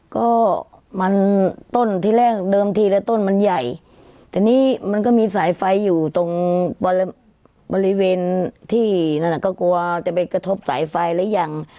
ก็มันต้นที่แรกเดิมทีละต้นมันใหญ่แต่นี่มันก็มีสายไฟอยู่ตรงบริเวณที่นั่นก็กลัวจะไปกระทบสายไฟหรือยัง